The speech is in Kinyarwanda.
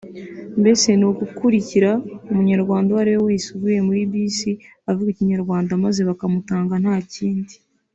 “Mbese ni ugukurikira munyarwanda uwariwe wese uvuye muri bisi uvuga ikinyarwanda maze bakamutanga nta cyindi